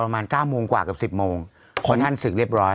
ประมาณเก้าโมงกว่ากับสิบโมงพอท่านศึกเรียบร้อย